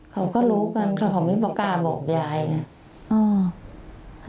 เขาก็รู้กันแต่เขาไม่กล้าบอกยายนะ